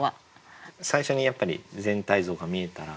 最初にやっぱり全体像が見えたら。